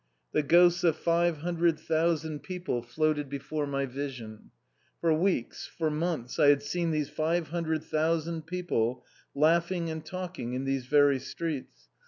The ghosts of five hundred thousand people floated before my vision. For weeks, for months, I had seen these five hundred thousand people laughing and talking in these very streets.